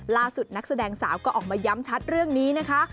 นักแสดงสาวก็ออกมาย้ำชัดเรื่องนี้นะคะ